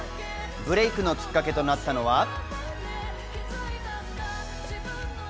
ブレイクのきっかけとなったのは。